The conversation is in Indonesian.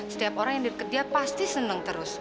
setiap orang yang deket dia pasti seneng terus